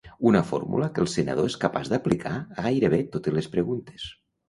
Una fórmula que el senador és capaç d'aplicar a gairebé totes les preguntes.